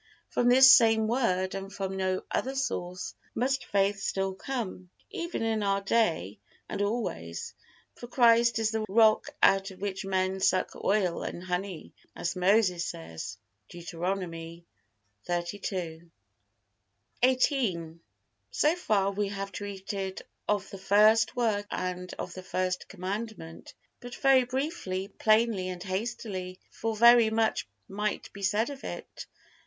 From this same Word and from no other source must faith still come, even in our day and always. For Christ is the rock out of which men suck oil and honey, as Moses says, Deuteronomy xxxii. XVIII. So far we have treated of the first work and of the First Commandment, but very briefly, plainly and hastily, for very much might be said of it.